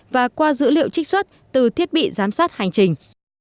và qua dữ liệu trích xuất từ thiết bị giám sát hành trình